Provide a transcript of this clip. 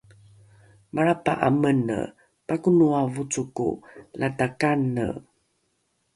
malrapa’a mene pakonoa vocoko lata kane